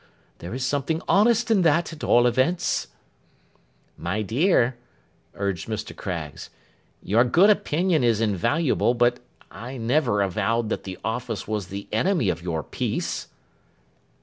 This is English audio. There is something honest in that, at all events.' 'My dear,' urged Mr. Craggs, 'your good opinion is invaluable, but I never avowed that the office was the enemy of your peace.